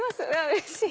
⁉うれしい！